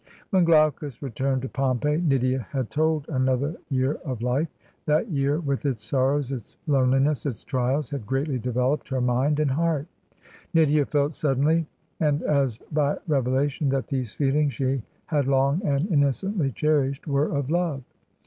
" When Glaucus returned to Pompeii, Nydia had told another year of life; that year with its sorrows, its lone hness, its trials, had greatly developed her mind and heart. ... Nydia felt suddenly, and as by revela tion, that these feelings she had long and innocently cherished, were of love.